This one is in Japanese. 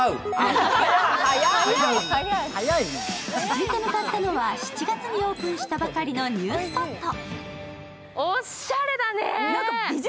続いて向かったのは７月にオープンしたばかりのニュースポット。